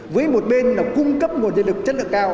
với một bên là cung cấp nguồn nhân lực chất lượng cao